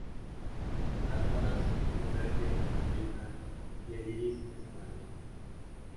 Las patas son verde amarillentas, y el iris es amarillo.